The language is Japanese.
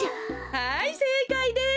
はいせいかいです。